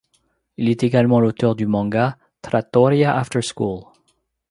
Il est également l'auteur du manga Trattoria After School.